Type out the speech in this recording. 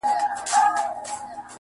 تا پټ کړی تر خرقې لاندي تزویر دی-